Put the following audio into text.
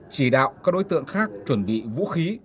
chỉ đạo các đối tượng khác chuẩn bị vũ khí